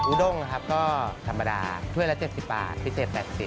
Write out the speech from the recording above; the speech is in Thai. อุดงก็ธรรมดาช่วยละ๗๐บาทพิเศษ๘๐บาท